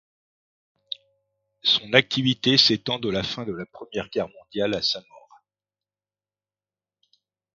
Son activité s’étend de la fin de la Première Guerre mondiale à sa mort.